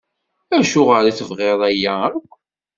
Acuɣer i tebɣiḍ aya akk?